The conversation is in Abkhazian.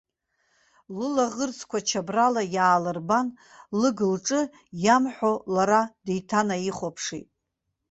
Лылаӷырӡқәа чабрала иаалырбан, лыг-лҿы иамҳәо лара деиҭанаихәаԥшит.